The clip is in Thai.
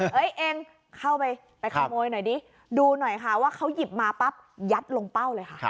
เองเข้าไปไปขโมยหน่อยดิดูหน่อยค่ะว่าเขาหยิบมาปั๊บยัดลงเป้าเลยค่ะ